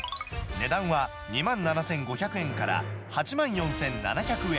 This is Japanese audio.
値段は２万７５００円から、８万４７００円。